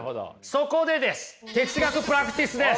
そこでです哲学プラクティスです！